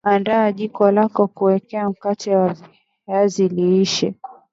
andaa jiko lako la kuokea mkate wa viazi lishe